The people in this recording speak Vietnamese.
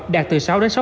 đạt từ sáu sáu năm